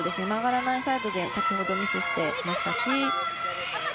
曲がらないサイドで先ほどミスしていましたし。